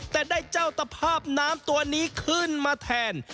แต่ได้เจ้าตภาพน้ำตัวนี้ขึ้นมาแทน